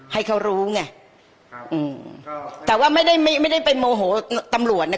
ให้เขารู้ไงอืมแต่ว่าไม่ได้ไม่ได้ไปโมโหตำลวดน่ะ